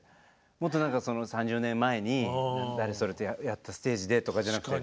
もっと何か３０年前に誰それとやったステージでとかじゃなくて。